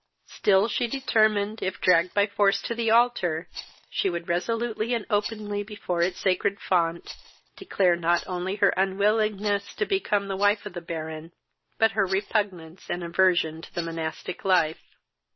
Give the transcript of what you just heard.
Still she determined, if dragged by force to the altar, she would resolutely and openly, before its sacred front, declare not only her unwillingness to become the wife of the Baron, but her repugnance and aversion to the monastic life.